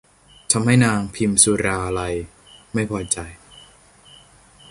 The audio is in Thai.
ทำให้นางพิมสุราลัยไม่พอใจ